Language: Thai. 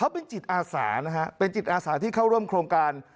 เป็นจิตอาสานะฮะเป็นจิตอาสาที่เข้าร่วมโครงการ